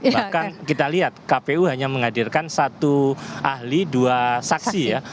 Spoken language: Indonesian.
bahkan kita lihat kpu hanya menghadirkan satu ahli dua saksi ya